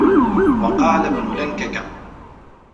وَقَالَ ابْنُ لَنْكَكَ